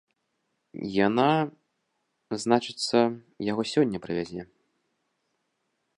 Яна, значыцца, яго сёння прывязе.